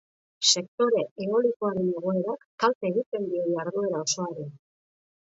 Sektore eolikoaren egoerak kalte egiten dio jarduera osoari.